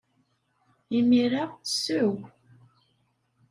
Imir-a, sew!